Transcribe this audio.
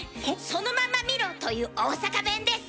「そのまま見ろ」という大阪弁です。